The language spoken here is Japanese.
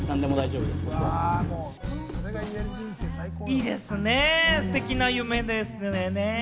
いいですね、ステキな夢ですよね。